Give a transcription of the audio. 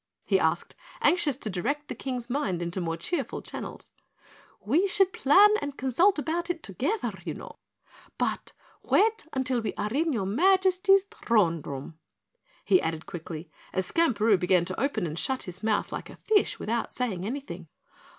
he asked, anxious to direct the King's mind into more cheerful channels. "We should plan and consult about it together, you know. But wait until we are in your Majesty's throne room," He added quickly, as Skamperoo began to open and shut his mouth like a fish without saying anything.